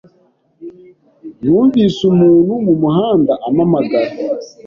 Numvise umuntu mumuhanda ampamagara.